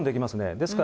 ですから。